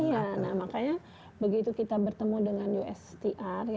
iya nah makanya begitu kita bertemu dengan ustr